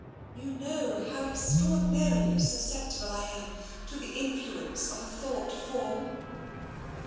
You know how extraordinarily suscept ible I am to the influence of a thought form?